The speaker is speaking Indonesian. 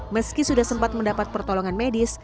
meski sudah sempat mendapat pertolongan medis